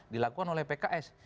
dilakukan oleh pks